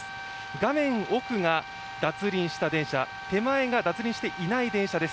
画面奥が脱輪した電車、手前が脱輪していない電車です。